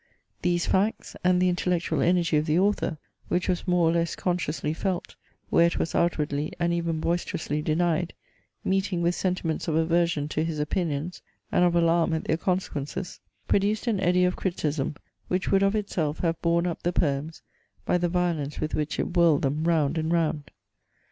These facts, and the intellectual energy of the author, which was more or less consciously felt, where it was outwardly and even boisterously denied, meeting with sentiments of aversion to his opinions, and of alarm at their consequences, produced an eddy of criticism, which would of itself have borne up the poems by the violence with which it whirled them round and round.